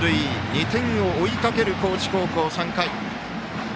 ２点を追いかける高知高校、３回。